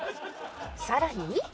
さらに